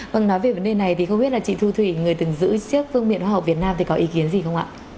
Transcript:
vâng nói về vấn đề này thì không biết là chị thu thủy người từng giữ chiếc phương viện khoa học việt nam thì có ý kiến gì không ạ